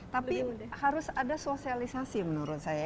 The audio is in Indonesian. tapi harus ada sosialisasi menurut saya